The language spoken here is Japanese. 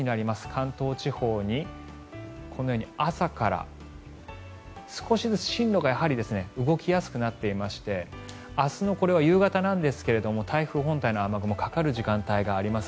関東地方に、このように朝から少しずつ進路が動きやすくなっていまして明日の夕方なんですが台風本体の雨雲かかる時間帯があります。